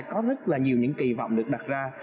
có rất là nhiều những kỳ vọng được đặt ra